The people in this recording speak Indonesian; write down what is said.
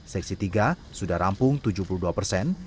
seksi tiga sudah rampung tujuh puluh dua persen